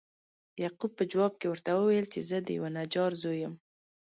یعقوب په جواب کې ورته وویل چې زه د یوه نجار زوی یم.